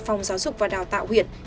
phòng giáo dục và đào tạo huyện